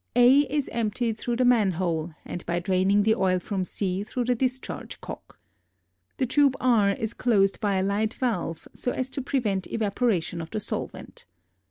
A is emptied through the manhole and by draining the oil from C through the discharge cock. The tube R is closed by a light valve so as to prevent evaporation of the solvent.